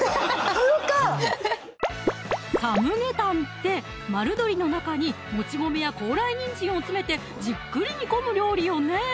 「風」かサムゲタンって丸鶏の中にもち米や高麗にんじんを詰めてじっくり煮込む料理よね？